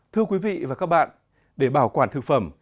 thưa quý vị và các bạn để bảo quản thực phẩm